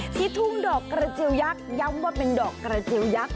ที่ทุ่งดอกกระจิวยักษ์ย้ำว่าเป็นดอกกระจิวยักษ